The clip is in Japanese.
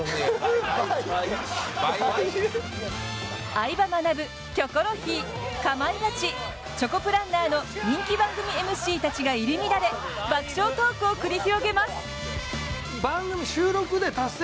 「相葉マナブ」「キョコロヒー」「かまいガチ」「チョコプランナー」の人気番組ＭＣたちが入り乱れ爆笑トークを繰り広げます。